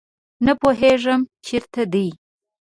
نه پوهیږم چیرته دي